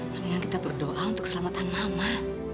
mendingan kita berdoa untuk keselamatan mama